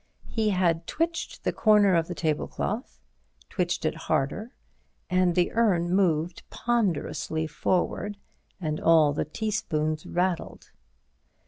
He had twitched the corner of the tablecloth—twitched it harder, and the urn moved ponderously forward and all the teaspoons rattled.